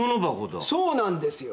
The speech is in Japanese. そうなんですよ。